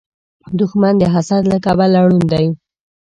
دښمن د حسد له کبله ړوند وي